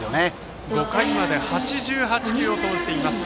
十川は５回まで８８球を投じています。